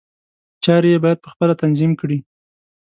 چارې یې باید په خپله تنظیم کړي.